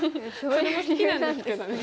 それも好きなんですけどね